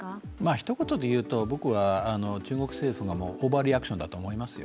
ひと言で言うと、僕は中国政府のオーバーリアクショんだと思いますよ。